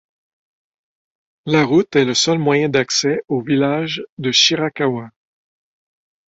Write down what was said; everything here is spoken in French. La route est le seul moyen d'accès au village de Shirakawa.